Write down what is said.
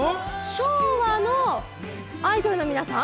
昭和のアイドルの皆さん？